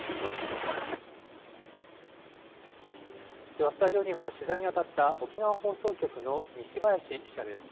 では、スタジオには取材に当たった沖縄放送局の西林記者です。